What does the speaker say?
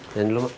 jalan dulu mak